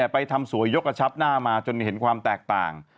ไปทำสวยยกกระชับหน้ามาจนเห็นความแตกต่าง